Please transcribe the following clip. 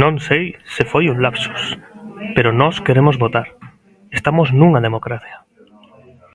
Non sei se foi un lapsus, pero nós queremos votar; estamos nunha democracia.